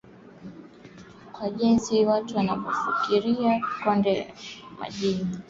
kwa jinsi watu wanavyofikiria kote duniani